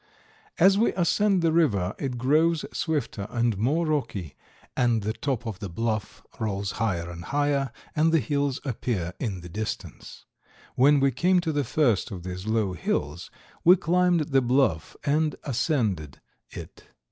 As we ascend the river it grows swifter and more rocky and the top of the bluff rolls higher and higher and the hills appear in the distance. When we came to the first of these low hills we climbed the bluff and ascended it.